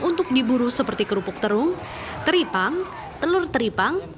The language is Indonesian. untuk diburu seperti kerupuk terung teripang telur teripang